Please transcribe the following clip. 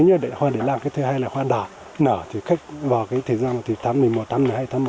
nhất để hoa để làm cái thứ hai là hoa đỏ nở thì khách vào cái thời gian thì tháng một mươi một tháng một mươi hai tháng